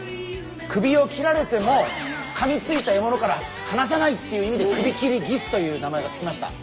首を切られてもかみついたえものから放さないっていう意味でクビキリギスという名前が付きました。